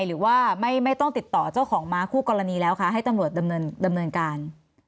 หรือว่าไม่ต้องติดต่อเจ้าของม้าคู่กรณีแล้วคะให้ตำรวจดำเนินการ